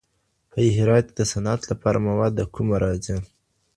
په هرات کي د صنعت لپاره مواد د کومه راځي؟